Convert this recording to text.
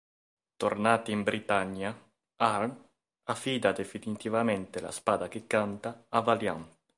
Tornati in Britannia, Arn affida definitivamente la "Spada che canta" a Valiant.